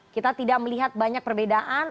kita tidak melihat banyak perbedaan